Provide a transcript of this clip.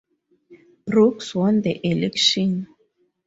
Brooks won the election.